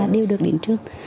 đều được đến trường